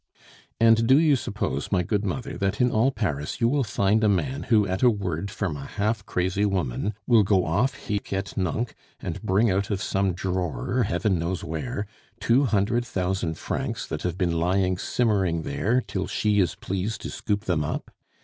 "And do you suppose, my good mother, that in all Paris you will find a man who at a word from a half crazy woman will go off hic et nunc, and bring out of some drawer, Heaven knows where, two hundred thousand francs that have been lying simmering there till she is pleased to scoop them up?